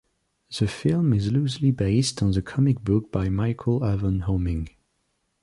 The film is loosely based on the comic book by Michael Avon Oeming.